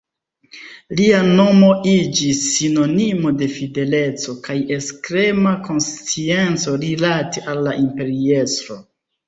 Lia nomo iĝis sinonimo de fideleco kaj ekstrema konscienco rilate al la imperiestro.